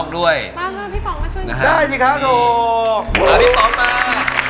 พี่ฟองมา